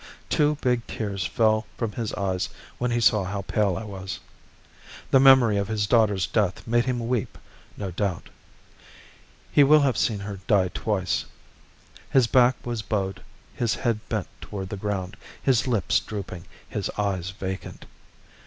Two big tears fell from his eyes when he saw how pale I was. The memory of his daughter's death made him weep, no doubt. He will have seen her die twice. His back was bowed, his head bent toward the ground, his lips drooping, his eyes vacant.